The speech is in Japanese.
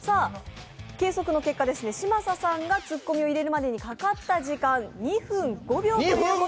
計測の結果、嶋佐さんがツッコミを入れるまで２分５秒。